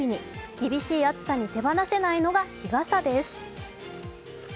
厳しい暑さに手放せないのが日傘です。